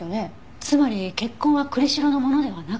つまり血痕は栗城のものではなかった。